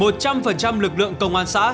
một trăm linh đồng chí cán bộ công an xã